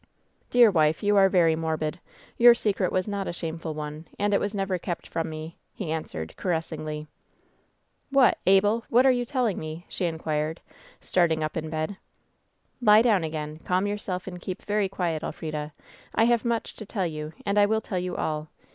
"Dear wife, you are very morbid. Your secret was not a shameful one, and it was never kept from me," he answered, caressingly. "What, Abel! What are you telling me?" she in quired, starting up in bed. "Lie down again. Calm yourself and keep very quiet, Elfrida. I have much to tell you, and I will tell you all.